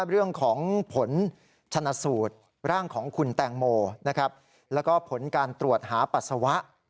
เรื่องของผลชนะสูตรร่างของคุณแตงโมแล้วก็ผลการตรวจหาปัสสาวะ